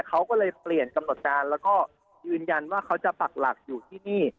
เขาก็เลยเปลี่ยนกำหนดการแล้วก็ยืนยันว่าเขาจะปักหลักอยู่ที่นี่